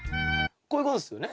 こういうことですよね？